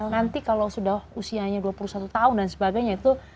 nanti kalau sudah usianya dua puluh satu tahun dan sebagainya itu